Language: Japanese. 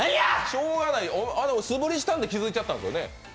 しようがない、素振りしたんで気付いたんですよね？